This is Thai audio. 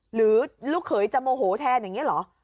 หรือลูกเขยจะโมโหแทนอย่างนี้เหรอ